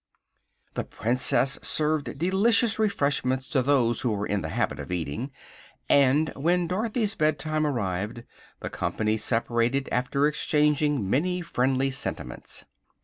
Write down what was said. The Princess served delicious refreshments to those who were in the habit of eating, and when Dorothy's bed time arrived the company separated after exchanging many friendly sentiments.